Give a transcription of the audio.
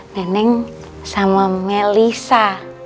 nenek sama melisa